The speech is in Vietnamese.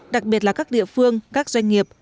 đặc biệt là các địa phương các doanh nghiệp